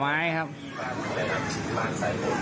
บ้านใส่โบสถ์นะครับ